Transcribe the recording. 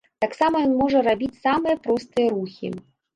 Таксама ён можа рабіць самыя простыя рухі.